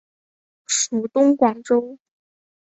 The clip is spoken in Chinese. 属东广州。